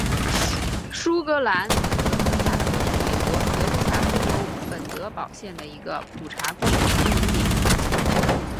舒格兰德克萨斯是美国德克萨斯州本德堡县的一个普查规定居民点。